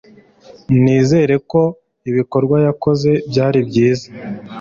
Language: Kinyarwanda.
Nizera ko ibikorwa yakoze byari byiza